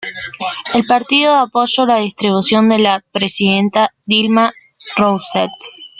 El partido apoyó la destitución de la presidenta Dilma Rousseff.